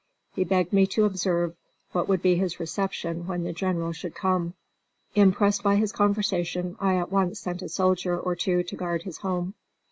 He begged me to observe what would be his reception when the General should come. Impressed by his conversation, I at once sent a soldier or two to guard his home.